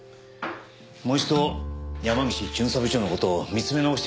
もう一度山岸巡査部長の事を見つめ直してみようと思いまして。